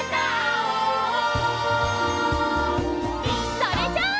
それじゃあ！